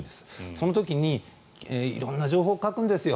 その時に色んな情報を書くんですよ。